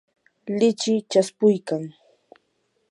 lichiy chaspuykan.